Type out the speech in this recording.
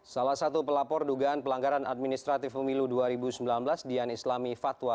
salah satu pelapor dugaan pelanggaran administratif pemilu dua ribu sembilan belas dian islami fatwa